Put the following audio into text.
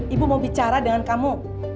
ibu mau bicara dengan kamu